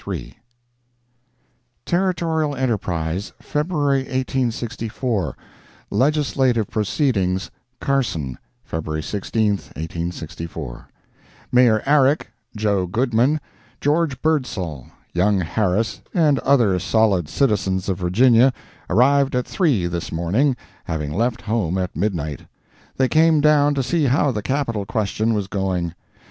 A LOOKER ON Territorial Enterprise, February 1864 LEGISLATIVE PROCEEDINGS CARSON, February 16, 1864 Mayor Arick, Joe Goodman, George Birdsall, Young Harris, and other solid citizens of Virginia arrived at 3 this morning, having left home at midnight. They came down to see how the Capital question was going.